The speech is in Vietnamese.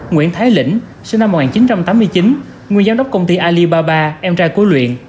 nguyễn thái lĩnh sinh năm một nghìn chín trăm tám mươi chín nguyên giám đốc công ty alibaba em trai của luyện